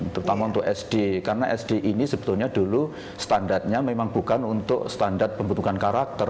terutama untuk sd karena sd ini sebetulnya dulu standarnya memang bukan untuk standar pembentukan karakter